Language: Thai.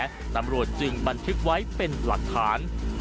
และตำรวจจึงบันทึกไว้เป็นหลักฐาน